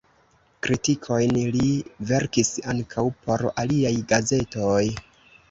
Kritikojn li verkis ankaŭ por aliaj gazetoj.